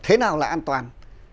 thế nào là an toàn